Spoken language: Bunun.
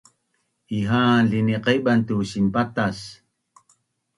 Iha’an liniqeban tu sinpatac